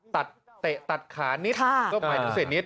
เตะตัดขานิดก็หมายถึงเสียนิด